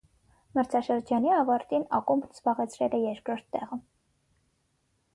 Մրցաշրջանի ավարտին ակումբն զբաղեցրել է երկրորդ տեղը։